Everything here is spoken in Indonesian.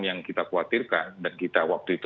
yang kita khawatirkan dan kita waktu itu